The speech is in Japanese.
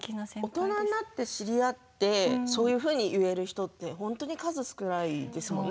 大人になって知り合ってそういうふうに言える人って本当に数少ないですものね。